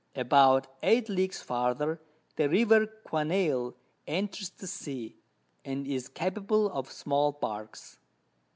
About 8 Leagues farther, the River Quenale enters the Sea, and is capable of small Barks.